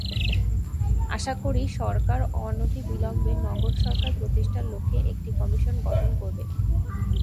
আশা করি, সরকার অনতিবিলম্বে নগর সরকার প্রতিষ্ঠার লক্ষ্যে একটি কমিশন গঠন করবে।